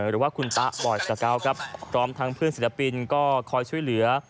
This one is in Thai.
หรือว่าคุณตะบอยสเก้าครับพร้อมทั้งเพื่อนศิลปินก็คอยช่วยเหลือ